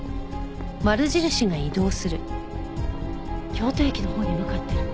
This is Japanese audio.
京都駅のほうに向かってる。